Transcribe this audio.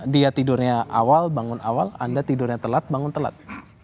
dia tidurnya awal bangun awal anda tidurnya telat bangun telat